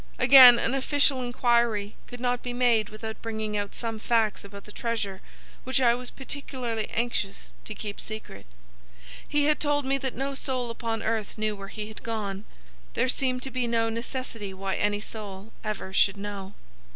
Again, an official inquiry could not be made without bringing out some facts about the treasure, which I was particularly anxious to keep secret. He had told me that no soul upon earth knew where he had gone. There seemed to be no necessity why any soul ever should know.